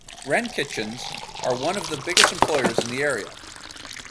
Wren Kitchens are one of the biggest employers in the area.